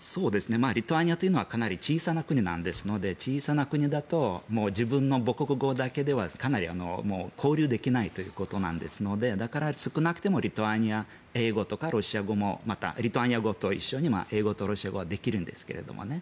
リトアニアというのはかなり小さな国ですので小さな国だと自分の母国語だけではかなり交流できないということですのでだから、少なくとも英語とかロシア語もリトアニア語と一緒に英語とロシア語はできるんですけどね。